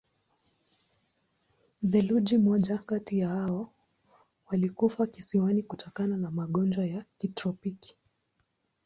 Theluji moja kati hao walikufa kisiwani kutokana na magonjwa ya kitropiki.